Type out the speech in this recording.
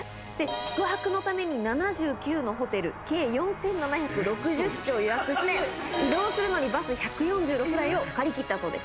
宿泊のために７９のホテル、計４７６０室を予約して、移動するのにバス１４６台を借り切ったそうです。